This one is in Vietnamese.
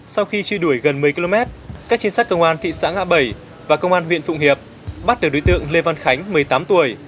sau khi truy đuổi gần một mươi km các trinh sát công an thị xã ngã bảy và công an huyện phụng hiệp bắt được đối tượng lê văn khánh một mươi tám tuổi